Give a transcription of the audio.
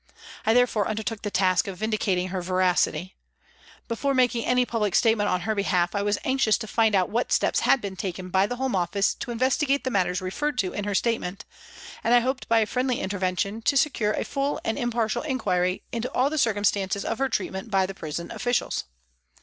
I therefore undertook the task of vindicating her veracity. Before making any public x 2 303 PRISONS AND PRISONERS statement on her behalf I was anxious to find out what steps had been taken by the Home Office to investigate the matters referred to in her statement, and I hoped by a friendly intervention to secure a full and impartial inquiry into all the circumstances of her treatment by the prison officials.